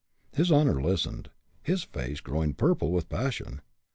His honor listened, his face growing purple with passion.